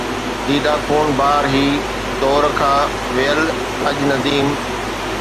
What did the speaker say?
ديده خون بار هي دور کان، ويل آج نديم!